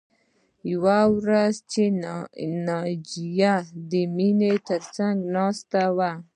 یوه ورځ چې ناجیه د مینې تر څنګ ناسته وه